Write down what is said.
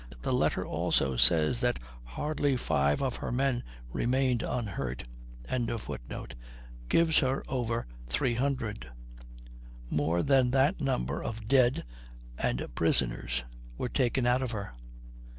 The letter also says that hardly five of her men remained unhurt.] gives her over 300; more than that number of dead and prisoners were taken out of her.